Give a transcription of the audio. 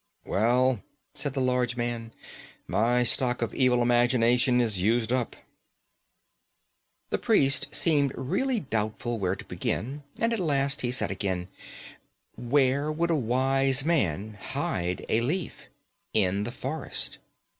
"Well," said the large man, "my stock of evil imagination is used up." The priest seemed really doubtful where to begin, and at last he said again: "Where would a wise man hide a leaf? In the forest."